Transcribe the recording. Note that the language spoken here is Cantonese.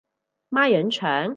孖膶腸